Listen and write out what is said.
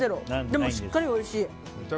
でも、しっかりおいしい。